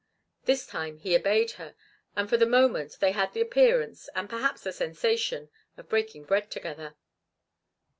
This time he obeyed her, and for the moment they had the appearance, and perhaps the sensation, of breaking bread together.